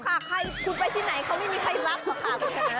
เขาไม่รับค่ะคุณไปที่ไหนเขาไม่มีใครรับค่ะ